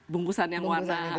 bungkusan yang warna